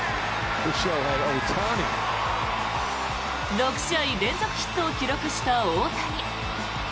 ６試合連続ヒットを記録した大谷。